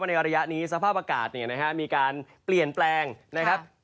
ในระยะนี้สภาพอากาศเนี่ยนะฮะมีการเปลี่ยนแปลงนะครับ